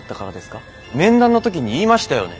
面談の時に言いましたよね。